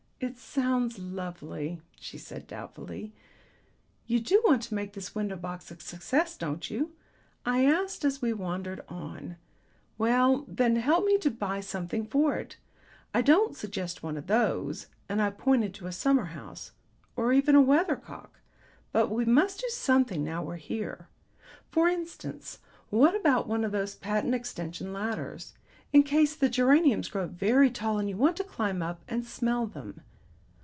"It sounds lovely," she said doubtfully. "You do want to make this window box a success, don't you?" I asked as we wandered on. "Well, then, help me to buy something for it. I don't suggest one of those," and I pointed to a summer house, "or even a weather cock; but we must do something now we're here. For instance, what about one of these patent extension ladders, in case the geraniums grow very tall and you want to climb up and smell them?